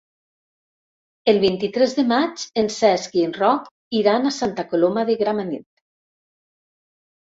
El vint-i-tres de maig en Cesc i en Roc iran a Santa Coloma de Gramenet.